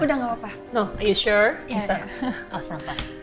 udah gak apa apa